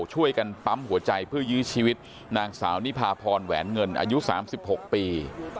ช่วยกันปั๊มหัวใจเพื่อยื้อชีวิตนางสาวนิพาพรแหวนเงินอายุ๓๖ปี